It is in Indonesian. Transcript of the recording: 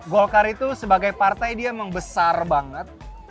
golkar itu sebagai partai dia emang besar banget